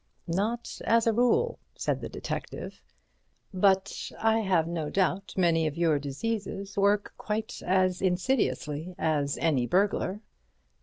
"Not as a rule," said the detective, "but I have no doubt many of your diseases work quite as insidiously as any burglar."